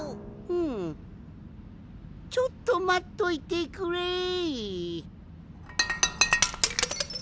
うんちょっとまっといてくれい！